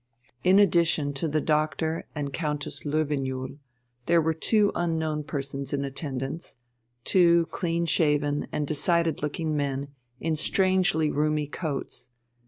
In addition to the doctor and Countess Löwenjoul there were two unknown persons in attendance, two clean shaven and decided looking men in strangely roomy coats.